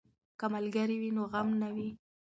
که ملګری وي نو غم نه وي.